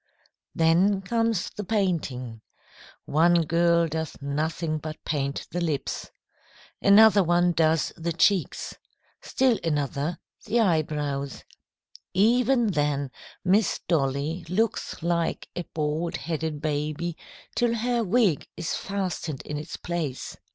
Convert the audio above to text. "Then comes the painting. One girl does nothing but paint the lips. Another one does the cheeks. Still another, the eyebrows. Even then Miss Dolly looks like a bald headed baby till her wig is fastened in its place."